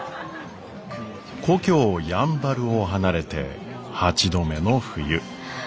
故郷やんばるを離れて８度目の冬。